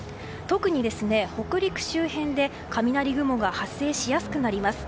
特に北陸周辺で雷雲が発生しやすくなります。